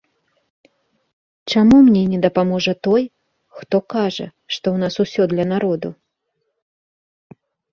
Чаму мне не дапаможа той, хто кажа, што ў нас усё для народу?